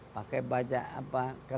pakai bajak apa